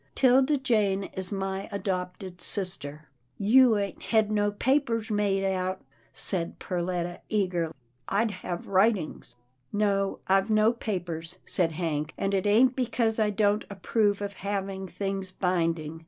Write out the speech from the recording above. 'Tilda Jane is my adopted sister." " You ain't hed no papers made out," said Per letta eagerly, " I'd hev writings." " No, I've no papers," said Hank, " and it ain't because I don't approve of having things binding.